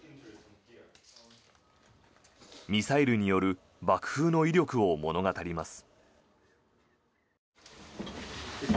ミサイルによる爆風の威力を物語ります。